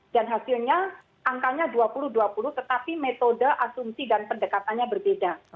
dan hasilnya angkanya dua puluh dua puluh tetapi metode asumsi dan pendekatannya berbeda